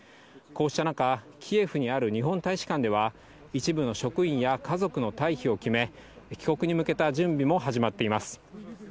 こうした中、キエフにある日本大使館では、一部の職員や家族の退避を決め、帰国に向けた準備も始まっています。